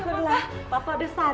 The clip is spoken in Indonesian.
syukurlah papa udah sadar